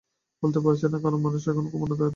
বলতে পারছে না, কারণ মানুষ তো এখনো খুব উন্নত হয় নি।